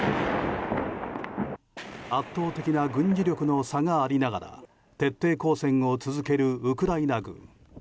圧倒的な軍事力の差がありながら徹底抗戦を続けるウクライナ軍。